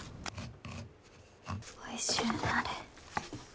おいしゅうなれ。